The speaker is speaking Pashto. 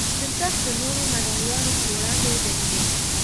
د تخت د نورو مدعیانو پر وړاندې وجنګېد.